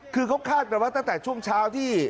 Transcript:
คือเขาคาดกันว่าตั้งแต่ช่วงเช้าที่